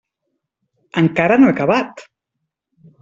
Encara no he acabat.